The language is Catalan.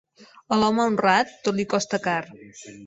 A l'home honrat, tot li costa car.